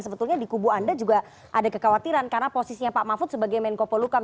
sebetulnya di kubu anda juga ada kekhawatiran karena posisinya pak mahfud sebagai menko polukam